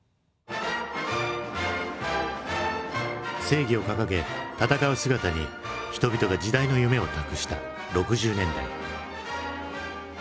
正義を掲げ闘う姿に人々が時代の夢を託した６０年代。